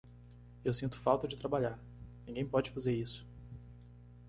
Eu sinto falta de trabalhar, ninguém pode fazer isso.